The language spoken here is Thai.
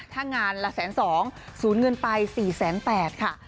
ถ้างานละ๑๒๐๐๐๐ศูนย์เงื่อนไป๔๐๘๐๐ค่ะ